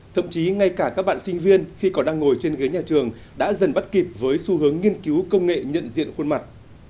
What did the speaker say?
thậm chí ngay cả các bạn sinh viên khi còn đang ngồi trên ghế nhà trường đã dần bắt kịp với xu hướng nghiên cứu công nghệ nhận diện khuôn mặt